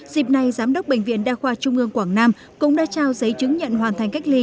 dịp này giám đốc bệnh viện đa khoa trung ương quảng nam cũng đã trao giấy chứng nhận hoàn thành cách ly